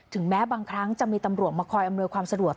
แม้บางครั้งจะมีตำรวจมาคอยอำนวยความสะดวก